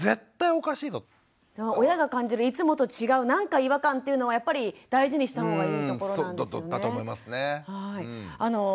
親が感じるいつもと違うなんか違和感っていうのはやっぱり大事にしたほうがいいところなんですね。